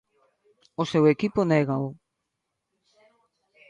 O seu equipo négao.